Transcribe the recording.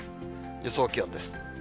予想気温です。